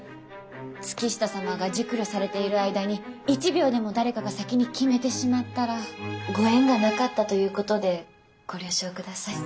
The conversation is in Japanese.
月下様が熟慮されている間に一秒でも誰かが先に決めてしまったらご縁がなかったということでご了承ください。